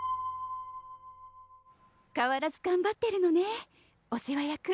変わらず頑張ってるのねお世話役。